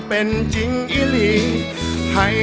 ขอบคุณมาก